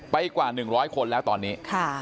กว่า๑๐๐คนแล้วตอนนี้